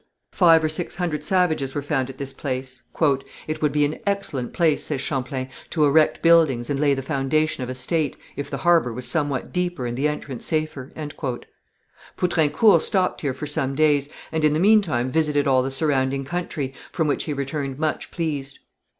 Five or six hundred savages were found at this place. "It would be an excellent place," says Champlain, "to erect buildings, and lay the foundation of a state, if the harbour was somewhat deeper and the entrance safer." Poutrincourt stopped here for some days, and in the meantime visited all the surrounding country, from which he returned much pleased.